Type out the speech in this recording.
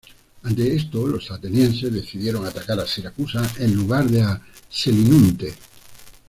Ante esto los atenienses decidieron atacar a Siracusa en lugar de a Selinunte.